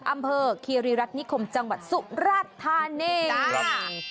อำเภอคีรีรัฐนิคมจังหวัดสุราชธานี